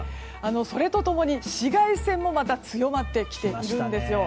それと共に紫外線も強まってきているんです。